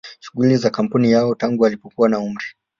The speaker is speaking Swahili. shughuli za kampuni yao tangu alipokuwa na umri